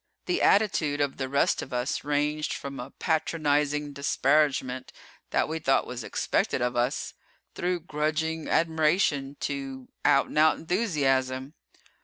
The attitude of the rest of us ranged from a patronizing disparagement that we thought was expected of us, through grudging admiration, to out and out enthusiasm.